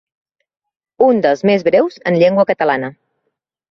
Un dels més breus en llengua catalana.